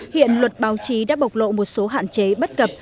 hiện luật báo chí đã bộc lộ một số hạn chế bất cập